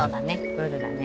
プールだね。